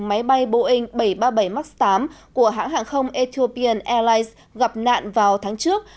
máy bay boeing bảy trăm ba mươi bảy max tám của hãng hàng không ethiopian airlines gặp nạn vào tháng trước